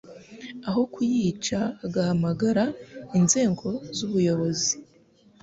aho kuyica agahamagara inzego z'ubuyobozi.